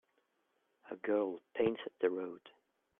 a girl paints the road